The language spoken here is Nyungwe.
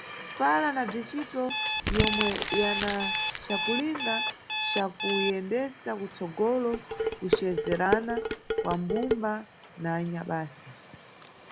Fala na Bzicito yomwe yana cakulinga ca kuyendesa kutsogolo kucezerana kwa mbumba na anyabasa.